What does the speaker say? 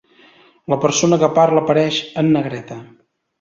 La persona que parla apareix en negreta.